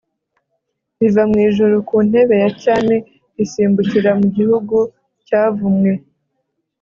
riva mu ijuru ku ntebe ya cyami risimbukira mu gihugu cyavumwe